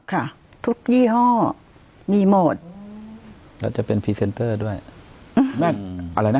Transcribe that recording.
ค่ะทุกยี่ห้อมีหมดแล้วจะเป็นพรีเซนเตอร์ด้วยอืมนั่นอะไรนะ